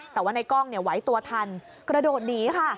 แต่ว่าในกล้องไหวตัวทันกระโดดหนีค่ะ